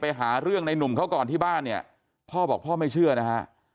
ไปหาเรื่องในหนุ่มเขาก่อนที่บ้านเนี่ยพ่อบอกพ่อไม่เชื่อนะฮะ